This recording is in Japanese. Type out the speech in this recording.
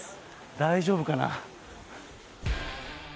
大丈夫かな？